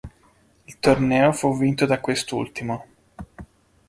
Il torneo fu vinto da quest'ultimo.